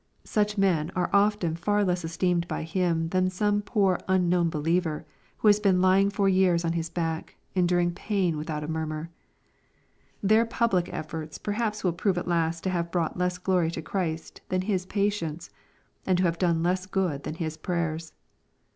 Such men are often far less esteemed by Him than some poor unknown believer, who has been ly ing for years on his back, enduring pain without a mur mur. Their public efforts perhaps will prove at last to have brought less glory to Christ than his patience, and to have done less good than his prayers.